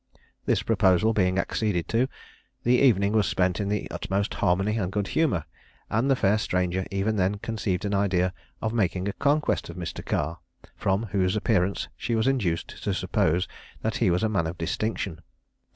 This proposal being acceded to, the evening was spent in the utmost harmony and good humour; and the fair stranger even then conceived an idea of making a conquest of Mr. Carr, from whose appearance she was induced to suppose that he was a man of distinction.